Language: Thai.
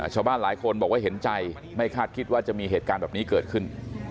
ชาวบ้านหลายคนบอกว่าเห็นใจไม่คาดคิดว่าจะมีเหตุการณ์แบบนี้เกิดขึ้น